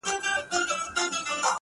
د ميني ننداره ده، د مذهب خبره نه ده،